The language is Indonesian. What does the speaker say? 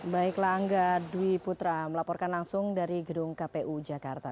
baiklah angga dwi putra melaporkan langsung dari gedung kpu jakarta